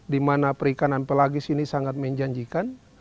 di mana perikanan pelagis ini sangat menjanjikan